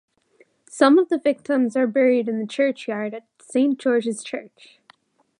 Some of the victims are buried in the churchyard at Saint George's Church.